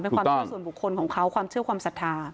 เป็นความเชื่อส่วนบุคคลของเขาความเชื่อความศรัทธา